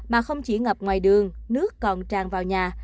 mà không chỉ ngập ngoài đường nước còn tràn vào nhà